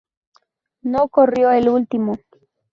No corrió el último.